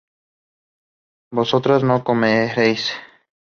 vosotras no comeréis